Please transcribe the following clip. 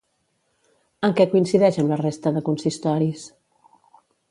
En què coincideix amb la resta de consistoris?